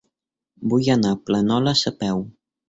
Vull anar a Planoles a peu.